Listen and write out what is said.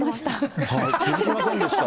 気付きませんでした。